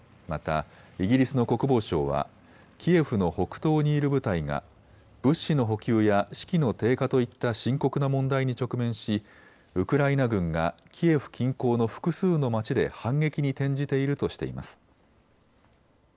またイギリスの国防省はキエフの北東にいる部隊が物資の補給や士気の低下といった深刻な問題に直面しウクライナ軍がキエフ近郊の複数の町で反撃に転じているとしています。